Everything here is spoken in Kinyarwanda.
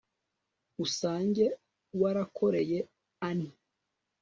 usange warakoreye ani